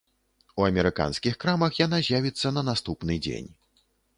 У амерыканскіх крамах яна з'явіцца на наступны дзень.